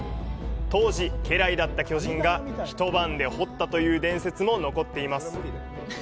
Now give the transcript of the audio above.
当時、家来だった巨人が一晩で掘ったという伝説も残っています。